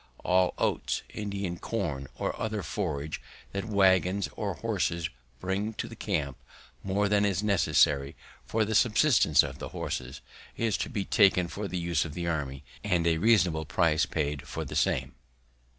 All oats, Indian corn, or other forage that waggons or horses bring to the camp, more than is necessary for the subsistence of the horses, is to be taken for the use of the army, and a reasonable price paid for the same.